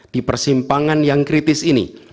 di persimpangan yang kritis ini